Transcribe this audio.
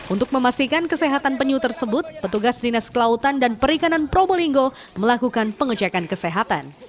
untuk memastikan kesehatan penyu tersebut petugas dinas kelautan dan perikanan probolinggo melakukan pengecekan kesehatan